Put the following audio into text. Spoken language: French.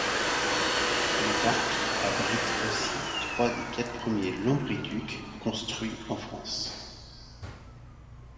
Le parc abrite aussi trois des quatre premiers lombriducs construits en France.